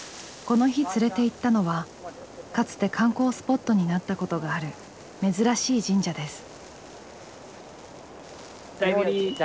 この日連れていったのはかつて観光スポットになったことがある珍しい神社です。